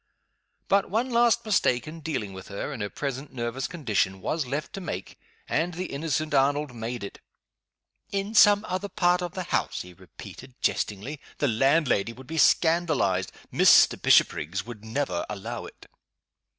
But one last mistake in dealing with her, in her present nervous condition, was left to make and the innocent Arnold made it. "In some other part of the house?" he repeated, jestingly. "The landlady would be scandalized. Mr. Bishopriggs would never allow it!"